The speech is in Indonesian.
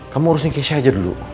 kamu urusin kisah aja dulu